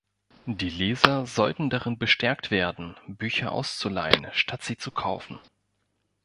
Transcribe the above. Die Leser sollten darin bestärkt werden, Bücher auszuleihen statt sie zu kaufen.